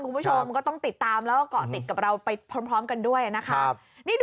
คุณผู้ชมก็ต้องติดตามแล้วก็เกาะติดกับเราไปพร้อมกันด้วยนะครับ